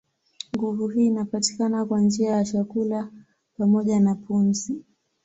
Nguvu hii inapatikana kwa njia ya chakula pamoja na pumzi.